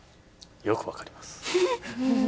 よくわかります。